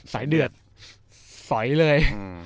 สายเดือดสอยเลย